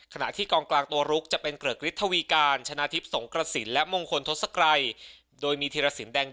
ขณะที่กองกลางตัวลุกจะเป็นเกลือกฤทธวีการ